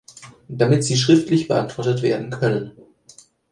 Damit sie schriftlich beantwortet werden können.